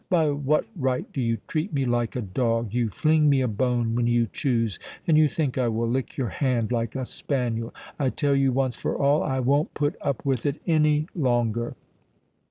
"By what right do you treat me like a dog? You fling me a bone when you choose—and you think I will lick your hand like a spaniel. I tell you once for all, I won't put up with it any longer."